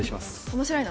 面白いの？